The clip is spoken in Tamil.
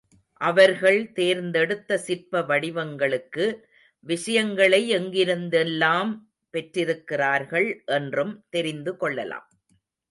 அவர்கள் தேர்ந்தெடுத்த சிற்ப வடிவங்களுக்கு விஷயங்களை எங்கிருந்தெல்லாம் பெற்றிருக்கிறார்கள் என்றும் தெரிந்துகொள்ளலாம்.